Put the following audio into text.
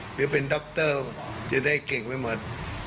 หรือเป็นด็อคเตอร์จะได้เก่งไปหมด